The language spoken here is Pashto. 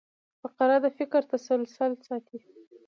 فقره د فکر تسلسل ساتي.